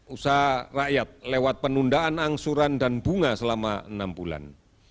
usaha rakyat lewat penundaan angsuran dan bunga selama enam bulan